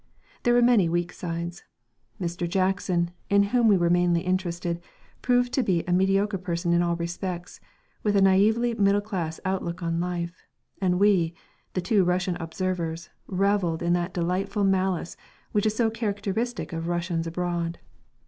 There were many weak sides. Mr. Jackson, in whom we were mainly interested, proved to be a mediocre person in all respects, with a naïvely middle class outlook on life, and we, the two Russian observers, revelled in that delightful malice which is so characteristic of Russians abroad.